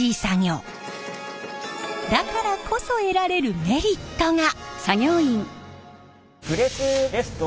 だからこそ得られるメリットが！